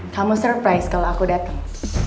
kamu surprise kalau aku datang